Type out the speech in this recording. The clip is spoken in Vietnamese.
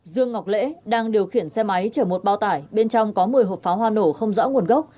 dương ngọc lễ đang điều khiển xe máy chở một bao tải bên trong có một mươi hộp pháo hoa nổ không rõ nguồn gốc